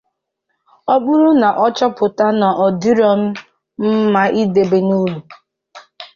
Ọ bụrụ na ọ chọpụta na ọ dị nnọọ mma idebe n'ụlọ